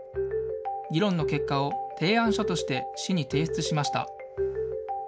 議論の結果を提案書として市に提出しました。